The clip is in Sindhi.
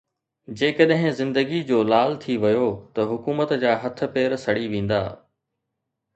جيڪڏهن زندگي جو لال ٿي ويو ته حڪومت جا هٿ پير سڙي ويندا.